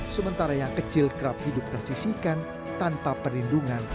sementara yang kecil kerap hidup tersisihkan tanpa perlindungan